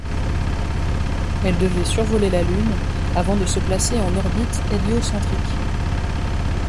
Elle devait survoler la Lune avant de se placer en orbite héliocentrique.